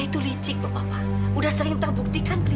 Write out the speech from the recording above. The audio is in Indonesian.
ibunya juga sebanyak ini